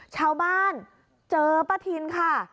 ชาวบ้านเจอป้าทินค่ะ